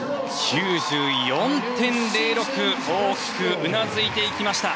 大きくうなずいていきました。